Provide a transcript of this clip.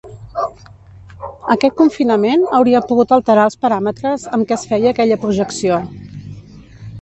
Aquest confinament hauria pogut alterar els paràmetres amb què es feia aquella projecció.